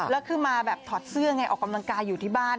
แล้วคือมาแบบถอดเสื้อไงออกกำลังกายอยู่ที่บ้าน